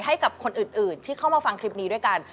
ให้กับคนอื่นที่เข้ามาฟังคลิปนี้ด้วยกัน